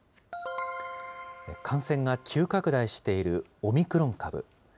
感染が急拡大しているオミクロン株。